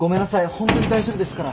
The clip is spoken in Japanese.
本当に大丈夫ですから。